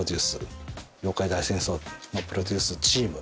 『妖怪大戦争』のプロデュースチーム。